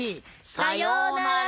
さようなら！